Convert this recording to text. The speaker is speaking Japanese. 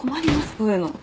こういうの。